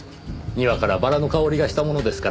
庭からバラの香りがしたものですから。